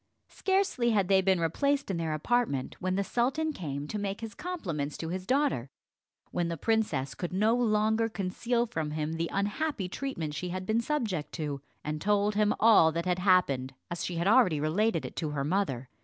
Scarcely had they been replaced in their apartment, when the sultan came to make his compliments to his daughter, when the princess could no longer conceal from him the unhappy treatment she had been subject to, and told him all that had happened as she had already related it to her mother.